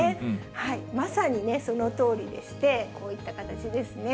まさにね、そのとおりでして、こういった形ですね。